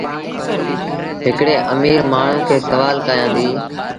هڪڙي اميٚر مآڻهوٚٚݩ کي سوآل ڪيآݩديٚ